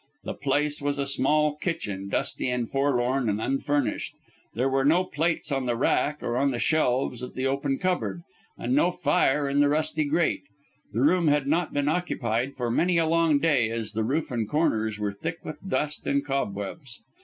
The place was a small kitchen, dusty and forlorn and unfurnished. There were no plates on the rack or on the shelves of the open cupboard, and no fire in the rusty grate. The room had not been occupied for many a long day, as the roof and corners were thick with dust and cobwebs.